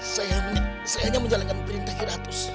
saya hanya menjalankan perintah iratus